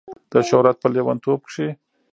د شهرت په لیونتوب کې